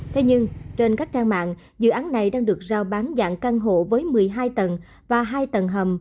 thế nhưng trên các trang mạng dự án này đang được giao bán dạng căn hộ với một mươi hai tầng và hai tầng hầm